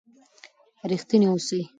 ریښتینی اوسئ.